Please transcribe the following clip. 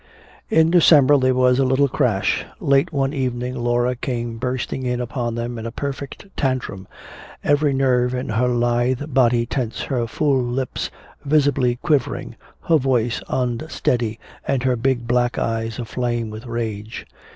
In December there came a little crash. Late one evening Laura came bursting in upon them in a perfect tantrum, every nerve in her lithe body tense, her full lips visibly quivering, her voice unsteady, and her big black eyes aflame with rage.